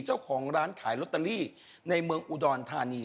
เจ้าของร้านขายลอตเตอรี่ในเมืองอุดรธานี